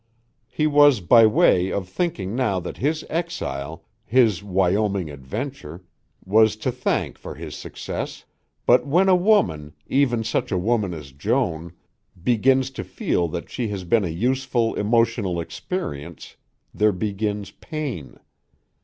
He was by way of thinking now that his exile, his Wyoming adventure, was to thank for his success, but when a woman, even such a woman as Joan, begins to feel that she has been a useful emotional experience, there begins pain.